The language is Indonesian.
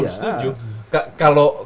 betul setuju kalau